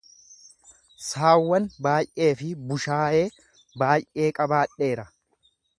saawwan baay'ee fi bushaayee baay'ee qabaadheera.